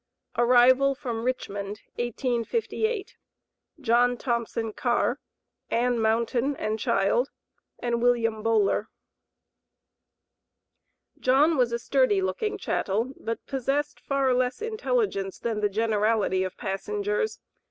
ARRIVAL FROM RICHMOND, 1858. JOHN THOMPSON CARR, ANN MOUNTAIN AND CHILD, AND WILLIAM BOWLER. John was a sturdy looking chattel, but possessed far less intelligence than the generality of passengers.